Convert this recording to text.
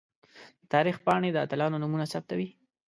د تاریخ پاڼې د اتلانو نومونه ثبتوي.